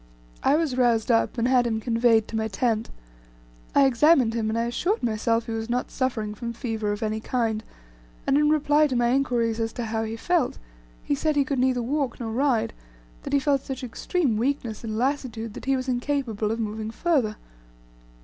I was roused up, and had him conveyed to my tent. I examined him, and I assured myself he was not suffering from fever of any kind; and in reply to my inquiries as to how he felt, he said he could neither walk nor ride, that he felt such extreme weakness and lassitude that he was incapable of moving further.